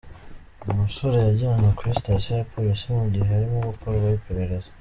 uyu musore yajyanywe kuri sitasiyo ya Polisi mu gihe arimo gukorwaho iperereza.